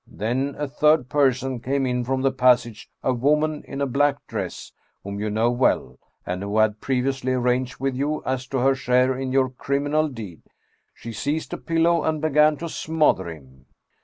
Then a third person came in from the passage a woman in a black dress, whom you know well, and who had pre viously arranged with you as to her share in your criminal deed. She seized a pillow and began to smother him.